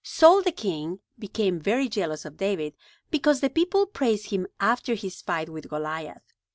Saul the king became very jealous of David because the people praised him after his fight with Goliath.